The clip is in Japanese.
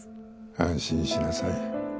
安心しなさい。